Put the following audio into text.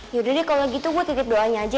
yaudah deh kalau gitu gue titip doanya aja